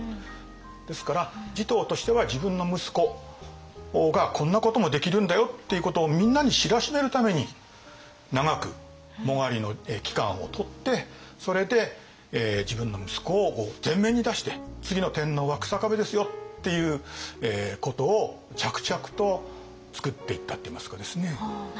ですから持統としては自分の息子がこんなこともできるんだよっていうことをみんなに知らしめるために長く殯の期間をとってそれで自分の息子を前面に出して次の天皇は草壁ですよっていうことを着々とつくっていったといいますかですね。